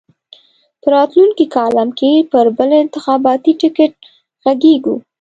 په راتلونکي کالم کې پر بل انتخاباتي ټکټ غږېږو.